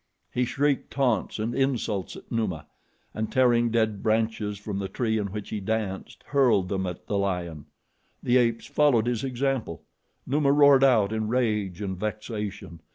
He shrieked taunts and insults at Numa, and tearing dead branches from the tree in which he danced, hurled them at the lion. The apes followed his example. Numa roared out in rage and vexation.